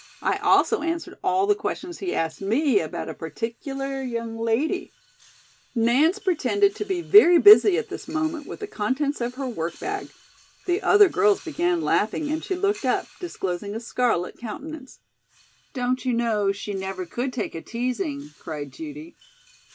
"I also answered all the questions he asked me about a particular young lady " Nance pretended to be very busy at this moment with the contents of her work bag. The other girls began laughing and she looked up, disclosing a scarlet countenance. "Don't you know she never could take a teasing?" cried Judy.